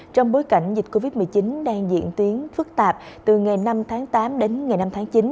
trong bối cảnh dịch covid một mươi chín đang diễn tiến phức tạp từ ngày năm tháng tám đến ngày năm tháng chín